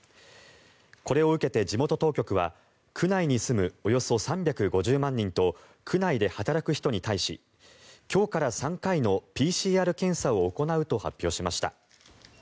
これを受けて地元当局は区内に住むおよそ３５０万人と区内で働く人に対し今日から３回のＰＣＲ検査を行うと発表しました。